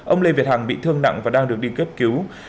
ông lê việt hàng bị thương nặng và đang được điên cấp cứu